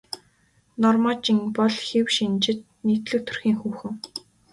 Норма Жин бол хэв шинжит нийтлэг төрхийн хүүхэн.